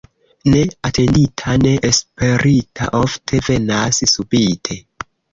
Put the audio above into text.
Ne atendita, ne esperita ofte venas subite.